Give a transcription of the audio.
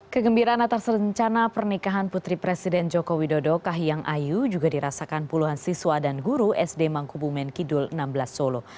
kegembiraan atas rencana pernikahan putri presiden joko widodo kahiyang ayu juga dirasakan puluhan siswa dan guru sd mangkubumen kidul enam belas solo